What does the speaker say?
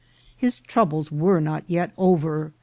His troubles were not yet over.